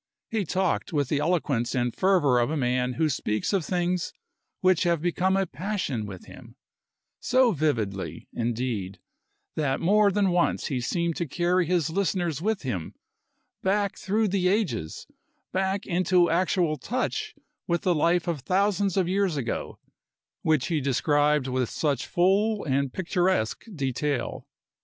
He talked with the eloquence and fervor of a man who speaks of things which have become a passion with him; so vividly, indeed, that more than once he seemed to carry his listeners with him, back through the ages, back into actual touch with the life of thousands of years ago, which he described with such full and picturesque detail.